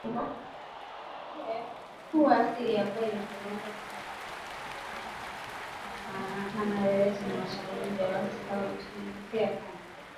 kuwa si ya kweli ikiongezea kwamba Kigali haijihusishi kwa namna yoyote na mashambulizi ya waasi hao nchini Demokrasia ya Kongo